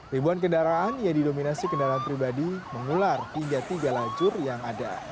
ribuan kendaraan yang didominasi kendaraan pribadi mengular hingga tiga lajur yang ada